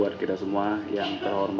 assalamualaikum wr wb